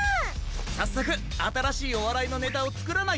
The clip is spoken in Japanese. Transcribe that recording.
さっそくあたらしいおわらいのネタをつくらないとな！